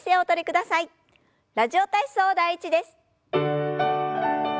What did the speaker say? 「ラジオ体操第１」です。